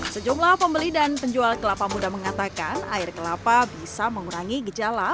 sejumlah pembeli dan penjual kelapa muda mengatakan air kelapa bisa mengurangi gejala